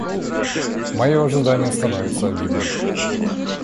Мое ожидание становится обидным.